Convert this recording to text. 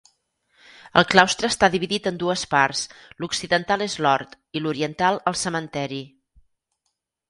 El claustre està dividit en dues parts: l'occidental és l'hort i l'oriental, el cementeri.